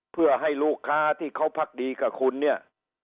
เพื่อให้ลูกค้าที่เขาพักดีกับคุณเนี่ย